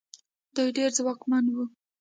دوی ډېر ځواکمن وو.